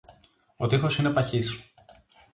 Ο τοίχος είναι παχύς